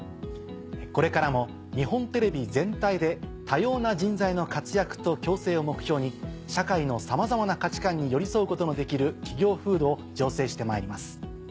これからも日本テレビ全体で多様な人材の活躍と共生を目標に社会のさまざまな価値観に寄り添うことのできる企業風土を醸成してまいります。